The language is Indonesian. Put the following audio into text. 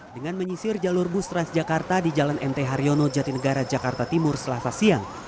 dengan menyisir jalur bus transjakarta di jalan mt haryono jatinegara jakarta timur selasa siang